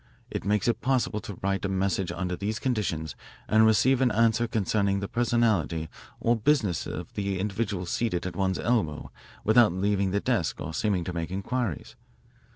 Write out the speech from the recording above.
It makes it possible to write a message under these conditions and receive an answer concerning the personality or business of the individual seated at one's elbow without leaving the desk or seeming to make inquiries.